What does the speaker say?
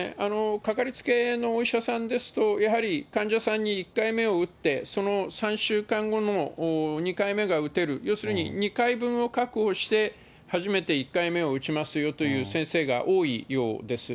掛かりつけのお医者さんですと、やはり患者さんに１回目を打って、その３週間後の２回目が打てる、要するに２回分を確保して、初めて１回目を打ちますよという先生が多いようです。